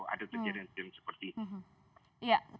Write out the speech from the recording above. ada terjadi hal hal seperti itu